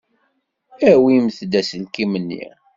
Awimt-d aselkim-nni.